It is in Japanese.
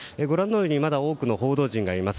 まだ多くの報道陣がいます。